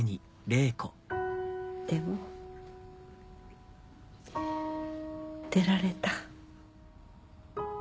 でも出られた。